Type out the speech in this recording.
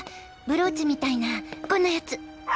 ブローチみたいなこんなやつ。